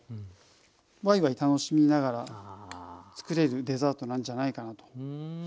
ワイワイ楽しみながら作れるデザートなんじゃないかなと。